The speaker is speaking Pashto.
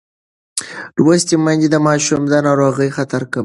لوستې میندې د ماشوم د ناروغۍ خطر کموي.